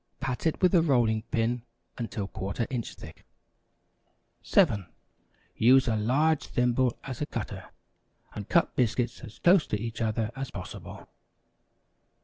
Pat it with the rolling pin until ¼ inch thick. 7. Use a large thimble as a cutter, and cut biscuits as close to each other as possible.